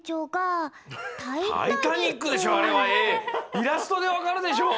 イラストでわかるでしょう！